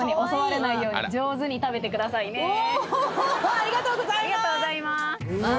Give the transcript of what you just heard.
おありがとうございまーす。